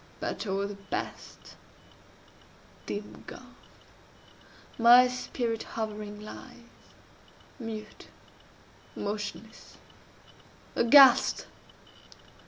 —but o'er the Past (Dim gulf!) my spirit hovering lies, Mute—motionless—aghast!